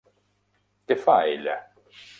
Què fa ella?